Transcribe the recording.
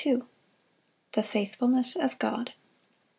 The faithfulness of God.